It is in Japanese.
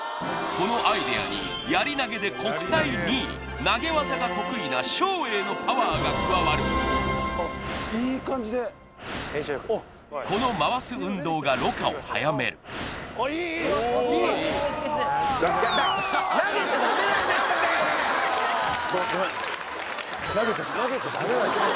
このアイデアにやり投げで国体２位投げ技が得意な照英のパワーが加わるあっいい感じで遠心力この回す運動がろ過を早めるあっいいいい！いい！ごめんごめん投げちゃダメなんですよ